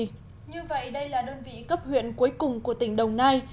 như vậy đây là đơn vị cấp huyện cuối cùng của tỉnh đồng nai